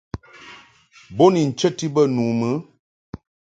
Bo ni nchəti bə nu mɨ.